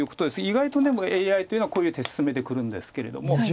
意外とでもＡＩというのはこういう手薦めてくるんですけれども。